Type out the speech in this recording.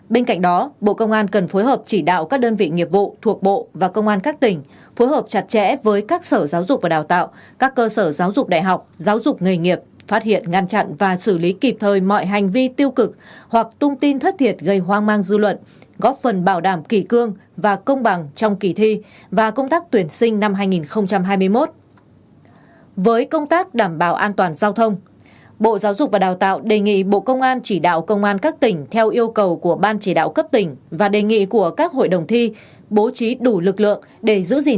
về công tác đảm bảo an toàn giao thông bộ giáo dục và đào tạo đề nghị bộ công an chỉ đạo công an các tỉnh theo yêu cầu của ban chỉ đạo công an các tỉnh theo yêu cầu của ban chỉ đạo công an các tỉnh theo yêu cầu của ban chỉ đạo công an các tỉnh theo yêu cầu của ban